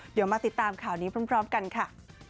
เดี๋ยวมาติดตามข่าวนี้พร้อมกันค่ะ